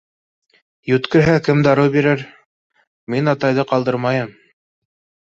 Йүткерһә, кем дарыу бирер? Мин атайҙы ҡалдырмайым.